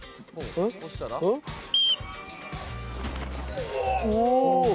おお。